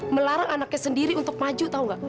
melarang anaknya sendiri untuk maju atau nggak